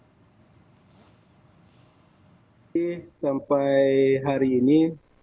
tapi sampai hari ini